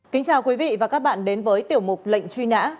kính chào quý vị và các bạn đến với tiểu mục lệnh truy nã